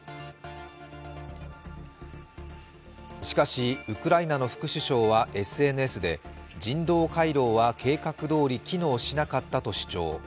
しかし、ウクライナの副首相はＳＮＳで人道回廊は計画どおり機能しなかったと主張。